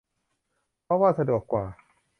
เพราะว่าสะดวกกว่า